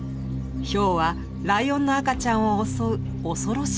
ヒョウはライオンの赤ちゃんを襲う恐ろしい天敵。